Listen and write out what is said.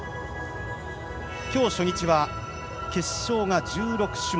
今日、初日は決勝が１６種目。